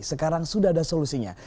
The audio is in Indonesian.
sekarang sudah ada solusinya